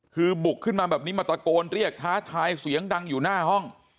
คือบุกขึ้นมาแบบนี้มาตะโกนเรียกท้าทายเสียงดังอยู่หน้าห้อง